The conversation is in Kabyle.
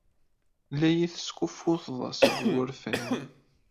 La iyi-teskuffuted seg wurfan.